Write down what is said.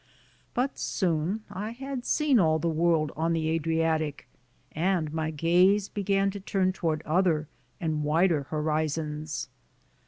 But soon I had seen "all the world" on the Adriatic, and my gaze began to turn toward other and wider horizons.